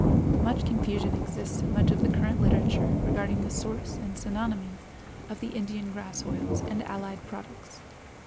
Much confusion exists in much of the current literature regarding the source and synonymy of the Indian grass oils and allied products.